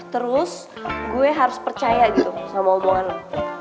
terus gue harus percaya gitu sama omongan lo